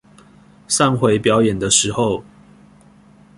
上回表演的時候